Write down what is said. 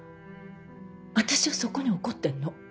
私はそこに怒ってんの。